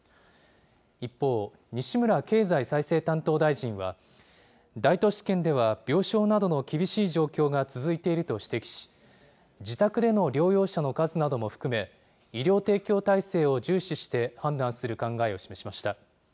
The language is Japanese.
一方、西村経済再生担当大臣は、大都市圏では、病床などの厳しい状況が続いていると指摘し、自宅での療養者の数なども含め、医療提供体制を重視して、判断する考えを示しました。